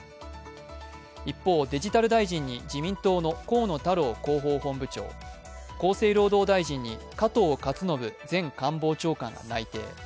一方、デジタル大臣に自民党の河野太郎広報本部長、厚生労働大臣に加藤勝信前官房長官が内定。